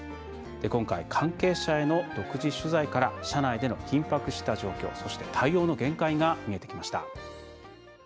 今回、関係者への独自取材から車内での緊迫した状況そして、対応の限界が見えてきました。